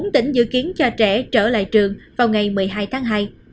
một mươi bốn tỉnh dự kiến cho trẻ trở lại trường vào ngày một mươi hai tháng hai